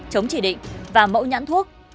chống chỉ định và mẫu nhãn thuốc